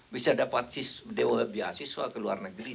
bisa dapat beasiswa ke luar negeri